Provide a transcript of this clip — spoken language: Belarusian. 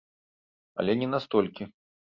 Але не на столькі.